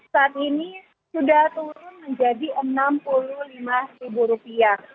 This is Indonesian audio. saat ini sudah turun menjadi enam puluh lima ribu rupiah